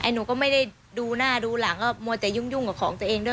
หนูก็ไม่ได้ดูหน้าดูหลังก็มัวแต่ยุ่งกับของตัวเองด้วย